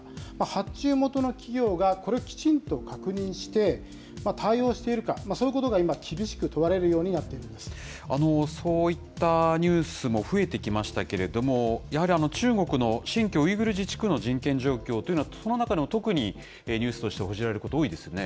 発注元の企業がこれをきちんと確認して対応しているか、そういうことが今、厳しく問われるようにそういったニュースも増えてきましたけれども、やはり中国の新疆ウイグル自治区の人権状況というのは、その中でも特にニュースとして報じられること多いですよね。